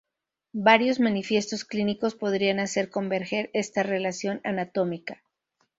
Varios manifiestos clínicos podrían hacer converger esta relación anatómica.